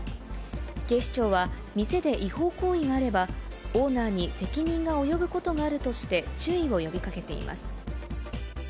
警視庁は、店で違法行為があれば、オーナーに責任が及ぶことがあるとして、注意を呼びかけています。